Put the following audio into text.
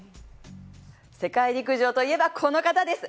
世界陸上といえばこの方です